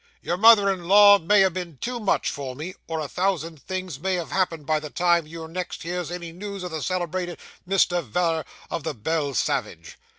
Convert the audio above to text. Your mother in law may ha' been too much for me, or a thousand things may have happened by the time you next hears any news o' the celebrated Mr. Veller o' the Bell Savage.